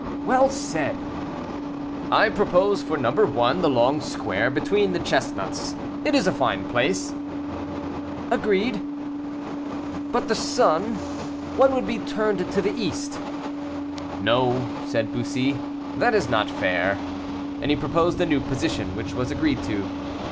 "Well said." "I propose for number one, the long square between the chestnuts; it is a fine place." "Agreed." "But the sun? one would be turned to the east." "No," said Bussy, "that is not fair;" and he proposed a new position, which was agreed to.